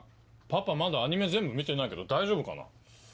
パパまだアニメ全部見てないけど大丈夫かな？